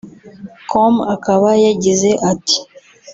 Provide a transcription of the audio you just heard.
com akaba yagize ati